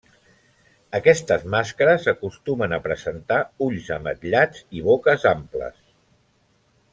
Aquestes màscares acostumen a presentar ulls ametllats i boques amples.